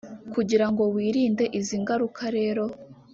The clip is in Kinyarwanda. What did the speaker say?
Kugira ngo wirinde izi ngaruka rero